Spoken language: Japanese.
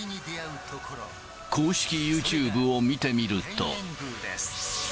公式ユーチューブを見てみると。